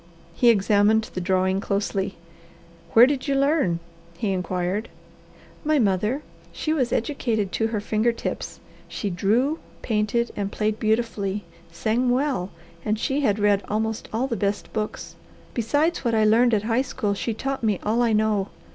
He examined the drawing closely. "Where did you learn?" he inquired. "My mother. She was educated to her finger tips. She drew, painted, played beautifully, sang well, and she had read almost all the best books. Besides what I learned at high school she taught me all I know.